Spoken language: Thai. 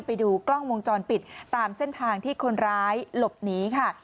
ไปดูกล้องวงจรปิดตามเส้นทางที่คนร้ายหลบหนีค่ะ